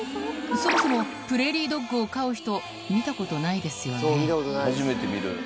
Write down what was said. そもそもプレーリードッグを飼う人見たことないですよね